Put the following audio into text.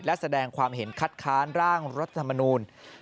และแสดงความเห็นคัดค้านร่างรัฐธรรมนูล